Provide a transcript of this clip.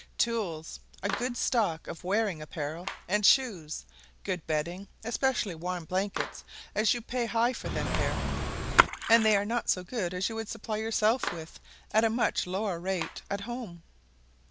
Tools, a good stock of wearing apparel, and shoes, good bedding, especially warm blankets; as you pay high for them here, and they are not so good as you would supply yourself with at a much lower rate at home.